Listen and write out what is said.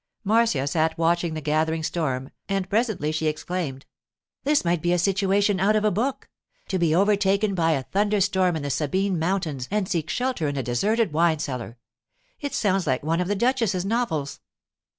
Marcia sat watching the gathering storm, and presently she exclaimed: 'This might be a situation out of a book! To be overtaken by a thunderstorm in the Sabine mountains and seek shelter in a deserted wine cellar—it sounds like one of the "Duchess's" novels.